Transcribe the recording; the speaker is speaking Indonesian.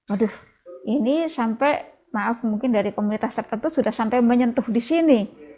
aduh ini sampai maaf mungkin dari komunitas tertentu sudah sampai menyentuh di sini